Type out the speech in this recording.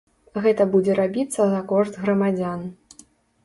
Гэта будзе рабіцца за кошт грамадзян.